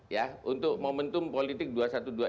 ya untuk momentum politik dua ratus dua belas ini